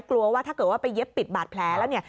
กลัวว่าถ้าเกิดว่าไปเย็บปิดบาดแผลแล้วเนี่ย